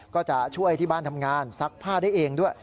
ก็จะช่วยที่บ้านทำงานซักผ้าได้เองด้วย